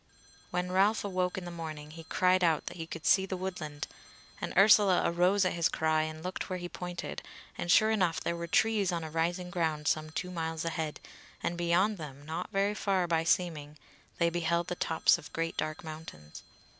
When Ralph awoke in the morning he cried out that he could see the woodland; and Ursula arose at his cry and looked where he pointed, and sure enough there were trees on a rising ground some two miles ahead, and beyond them, not very far by seeming, they beheld the tops of great dark mountains.